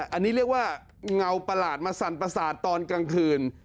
อันนี้เรียกว่าเงาประหลาดมาสั่นประสาทตอนกลางคืน